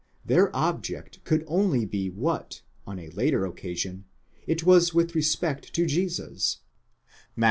Their object could only be what, on a later occasion, it was with respect to Jesus (Matt.